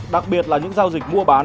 đặc biệt là những giao dịch mua bán